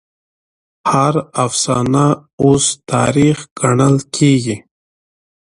هر افسانه اوس تاريخ ګڼل کېږي.